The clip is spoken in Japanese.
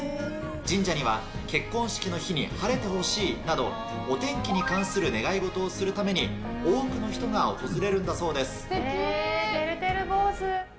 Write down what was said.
神社には結婚式の日に晴れてほしいなど、お天気に関する願い事をするために、多くの人が訪れるんだそうでてるてる坊主。